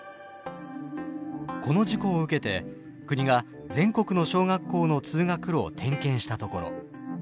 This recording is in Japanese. この事故を受けて国が全国の小学校の通学路を点検したところ。